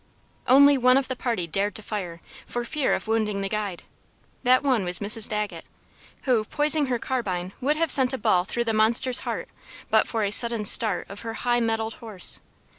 Only one of the party dared to fire, for fear of wounding the guide; that one was Mrs. Dagget, who, poising her carbine, would have sent a ball through the monster's heart but for a sudden start of her high mettled horse.